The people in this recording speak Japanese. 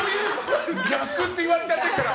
逆って言われちゃってるから。